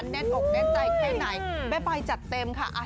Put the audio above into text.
แน่นอกแน่นใจแค่ไหนแม่ใบจัดเต็มค่ะ